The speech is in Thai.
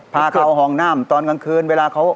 พาเข้าห้องน้ำตอนกลางคืนเวลาเขา